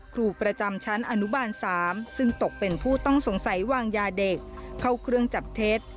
ครูประจำชั้นอนุบาล๓ซึ่งตกเป็นผู้ต้องสงสัยวางยาเด็กเข้าเครื่องจับเท็จ